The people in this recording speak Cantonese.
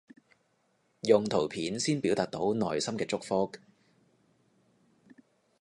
用圖片先表達到內心嘅祝福